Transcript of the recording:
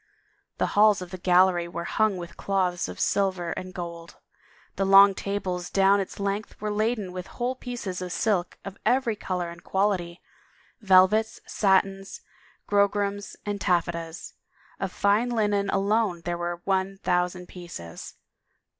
The halls of the gallery were hung with cloths of silver and gold ; the long tables down its length were laden with whole pieces of silk of every color and quality, velvets, satins, grograms, and taffetas; of fine linen alone there were one thousjmd pieces.